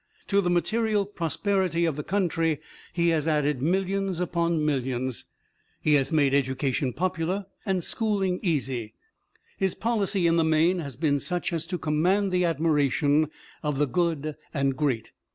To the material prosperity of the country he has added millions upon millions; he has made education popular, and schooling easy; his policy in the main has been such as to command the admiration of the good and great.